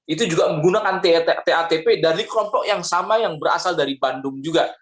itu juga menggunakan tatp dari kelompok yang sama yang berasal dari bandung juga